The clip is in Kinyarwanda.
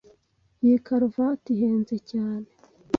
Iyi karuvati ihenze cyane.